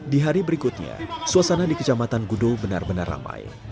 di hari berikutnya suasana di kecamatan gudo benar benar ramai